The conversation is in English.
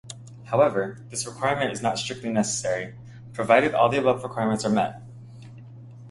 However, this requirement is not strictly necessary, provided that the above requirements are met.